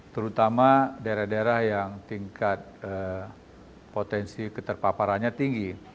terutama daerah daerah yang tingkat potensi keterpaparannya tinggi